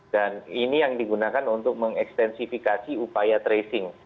dan ini yang digunakan untuk mengekstensifikasi upaya tracing